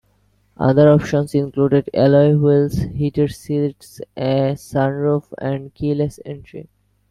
Other options included alloy wheels, heated seats, a sunroof and keyless entry.